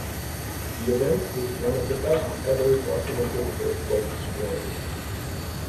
The event is one of the best ever documented earthquake swarms.